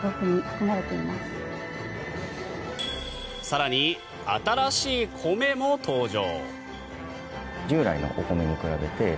更に、新しい米も登場。